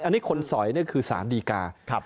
อันนี้คนสอยนี่คือสารดีกา